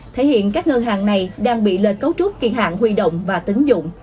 thể hiện các ngân hàng này đang bị lên cấu trúc kỳ hạn huy động và tính dụng